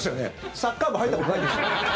サッカー部入ったことないです。